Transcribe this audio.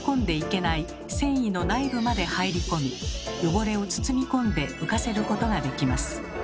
繊維の内部まで入り込み汚れを包み込んで浮かせることができます。